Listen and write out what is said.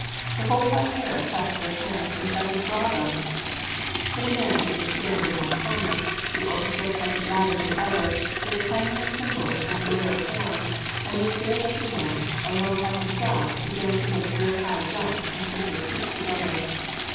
The whole parterre clapped their hands and shouted, "Bravo!" Then a man took his stand in one comer. The orchestra played louder than ever, with a clanging of cymbals and blare of horns, and this bare legged man, alone by himself, began to make very high jumps and kick his feet together.